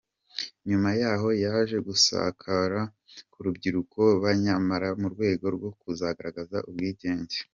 Nyuma yaho yaje gusakara mu rubyiruko bayambara mu rwego rwo kugaragaza ubwigenge.